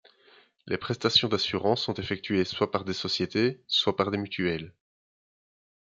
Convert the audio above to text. Les prestations d'assurance sont effectuées soit par des sociétés soit par des mutuelles.